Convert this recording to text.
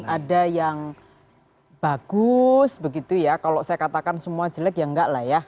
ada yang bagus begitu ya kalau saya katakan semua jelek ya enggak lah ya